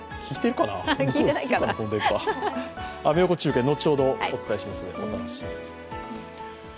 アメ横中継、後ほどお伝えしますお楽しみに。